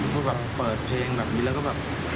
พูดแบบเปิดเพลงแบบนี้แล้วก็แบบ